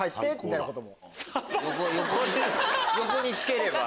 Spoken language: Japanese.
横につければ。